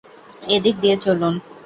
এদিক দিয়ে চলুন।